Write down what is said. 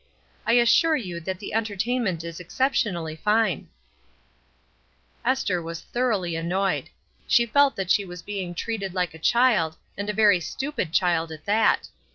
I assure you that the entertainment is excep tionally fine." 150 ESTER RIED'S NAMESAKE Esther was thoroughly annoyed. She felt that she was being treated like a child, and a very stupid child at that.